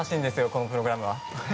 このプログラムは。